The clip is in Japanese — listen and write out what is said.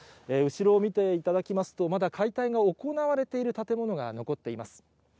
後ろを見ていただきますと、まだ解体が行われている建物が残っています。